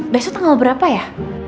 besok tanggal berapa ya